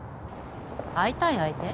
会いたい相手？